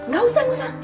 gak usah gak usah